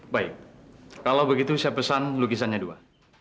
baik kalau begitu saya pesan lukisannya dua